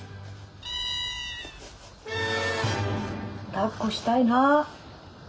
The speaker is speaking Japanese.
だっこしたいな。